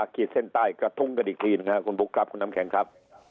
คุณพุทธครับคุณน้ำแข็งครับ